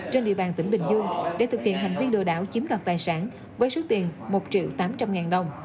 trên địa bàn tỉnh bình dương để thực hiện hành vi lừa đảo chiếm đoạt tài sản với số tiền một triệu tám trăm linh ngàn đồng